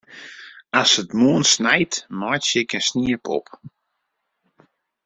As it moarn snijt, meitsje ik in sniepop.